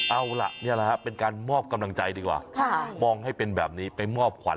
เอาล่ะนี่แหละครับเป็นการมอบกำลังใจดีกว่ามองให้เป็นแบบนี้ไปมอบขวัญ